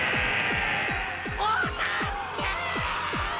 ・お助け！